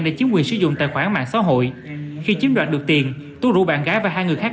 để chiếm quyền sử dụng tài khoản mạng xã hội khi chiếm đoạt được tiền tú rủ bạn gái và hai người khác